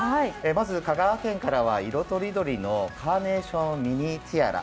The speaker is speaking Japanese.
まず、香川県からは色とりどりのカーネーションミニティアラ